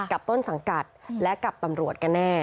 ต้นสังกัดและกับตำรวจกันแน่